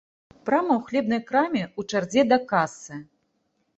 Прама ў хлебнай краме ў чарзе да касы.